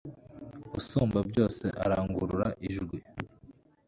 usumba byose arangurura ijwi